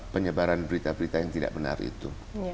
penyebaran berita berita yang tidak benar itu